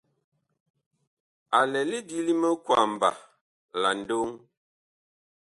A lɛ lidi li mikwamba la ndoŋ.